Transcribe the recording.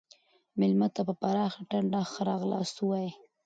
مېلمه ته په پراخه ټنډه ښه راغلاست ووایئ.